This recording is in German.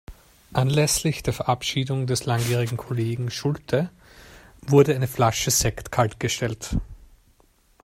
Anlässlich der Verabschiedung des langjährigen Kollegen Schulte, wurde eine Flasche Sekt kaltgestellt.